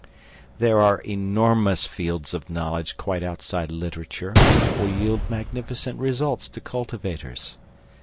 There are enormous fields of knowledge quite outside literature which will yield magnificent results to cultivators.